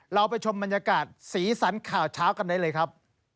เราไปชมบรรยากาศสีสันข่าวเช้ากันได้เลยครับ